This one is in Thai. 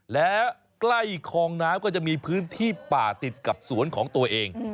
แล้วใกล้คลองน้ำก็จะมีพื้นที่ป่าติดกับสวนของตัวเอง